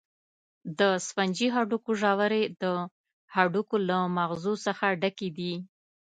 د سفنجي هډوکو ژورې د هډوکو له مغزو څخه ډکې دي.